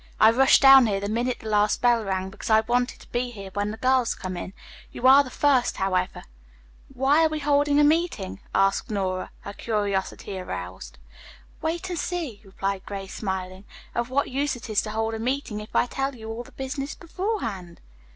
I rushed down here the minute the last bell rang, because I wanted to be here when the girls come in. You are the first, however." "Why are we to hold a meeting?" asked Nora, her curiosity aroused. "Wait and see," replied Grace, smiling. "Of what use is it to hold a meeting, if I tell you all the business beforehand?"